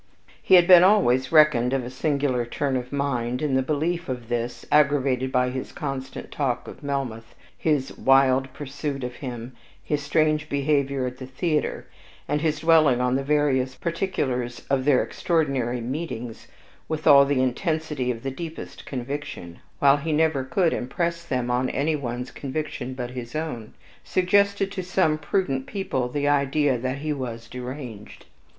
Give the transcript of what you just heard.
He had been always reckoned of a singular turn of mind, and the belief of this, aggravated by his constant talk of Melmoth, his wild pursuit of him, his strange behavior at the theater, and his dwelling on the various particulars of their extraordinary meetings, with all the intensity of the deepest conviction (while he never could impress them on any one's conviction but his own), suggested to some prudent people the idea that he was deranged.